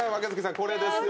これですよね？